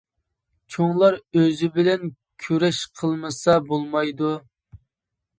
چوڭلار ئۆزى بىلەن كۈرەش قىلمىسا بولمايدۇ.